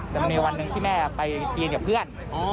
แต่มีวันนึงที่แม่ไปจีนกับเพื่อน